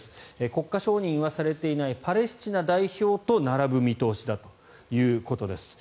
国家承認はされていないパレスチナ代表と並ぶ見通しだということです。